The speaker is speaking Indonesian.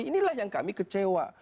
inilah yang kami kecewa